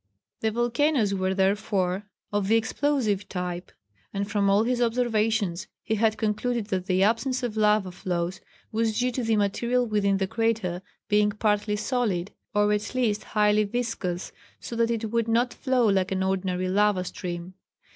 The volcanoes were, therefore, of the explosive type; and from all his observations he had concluded that the absence of lava flows was due to the material within the crater being partly solid, or at least highly viscous, so that it could not flow like an ordinary lava stream.